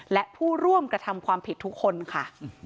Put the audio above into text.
และผู้ร่วมกระทำความผิดทุกคนค่ะ